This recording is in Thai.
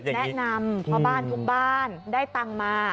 แนะนำพ่อบ้านทุกบ้านได้ตังค์มา